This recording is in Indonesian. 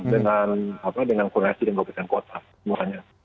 dengan koneksi dengan provinsi dan kota semuanya